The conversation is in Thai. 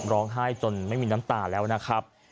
ร้องไห้จนไม่มีน้ำตาแล้วนะครับ